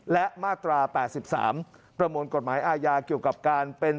และมาตรา๘๓ประมวลกฎหมายอาญาเกี่ยวกับการเป็น